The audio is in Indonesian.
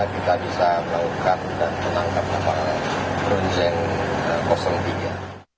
kita bisa melakukan dan menangkap kapal berusia yang kosong tiga